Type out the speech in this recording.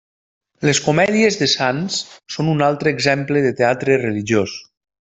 Les comèdies de sants són un altre exemple de teatre religiós.